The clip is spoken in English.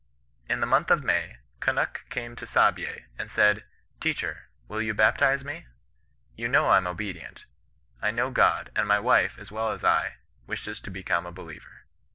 " In the month of May, Kunnuk came to Saabye, and said, * Teacher, will you baptize me ? You know I'm obedient. I know God ; and my wife, as well as I, wishes to become a believer.'